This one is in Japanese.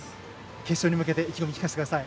決勝に向けて意気込みを聞かせてください。